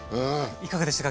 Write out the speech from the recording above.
いかがでしたか？